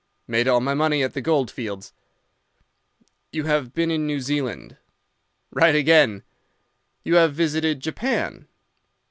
"'Made all my money at the gold fields.' "'You have been in New Zealand.' "'Right again.' "'You have visited Japan.